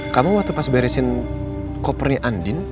kamu waktu pas beresin kopernya andin